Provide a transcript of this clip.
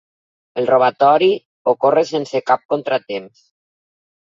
El robatori ocorre sense cap contratemps.